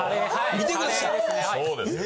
見てください。